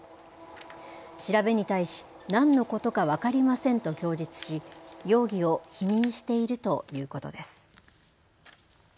調べに対し何のことか分かりませんと供述し容疑を否認しているということです。